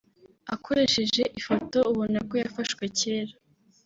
Akoresheje ifoto ubona ko yafashwe cyera